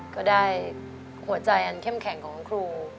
ก็ได้หัวใจแข็งของครู